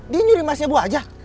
dia nyuri emasnya bu aja